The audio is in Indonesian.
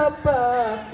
kami menibatkan gereja